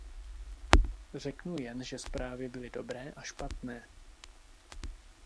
Řeknu jen, že zprávy byly dobré a špatné.